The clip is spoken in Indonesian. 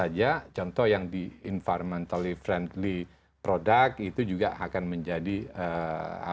apa saja contoh yang di environmentally friendly product itu juga akan menjadi penilaian yang bisa mendatangkan